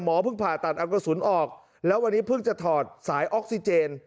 เพิ่งผ่าตัดเอากระสุนออกแล้ววันนี้เพิ่งจะถอดสายออกซิเจน